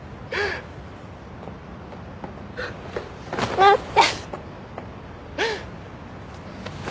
待って！